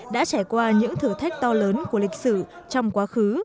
đã trải qua những thử thách to lớn của lịch sử trong quá khứ